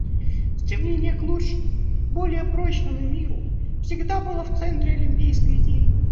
Стремление к лучшему, более прочному миру всегда было в центре олимпийской идеи.